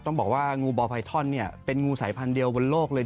ต้องบอกว่างูบอไพทอนเนี่ยเป็นงูสายพันธุ์เดียวบนโลกเลย